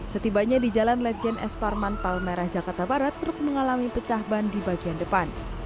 setibanya di jalan lejen es parman palmerah jakarta barat truk mengalami pecah ban di bagian depan